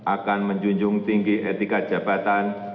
akan menjunjung tinggi etika jabatan